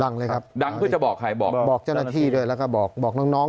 ดังเลยครับดังก็จะบอกใครบอกเจ้าหน้าที่ด้วยแล้วก็บอกบอกน้อง